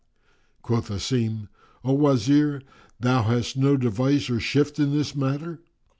Quoth Asim, "O Wazir, hast thou no device or shift in this matter?"